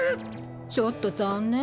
ちょっと残念。